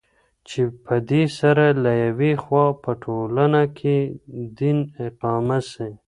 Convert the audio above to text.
چې پدي سره له يوې خوا په ټولنه كې دين اقامه سي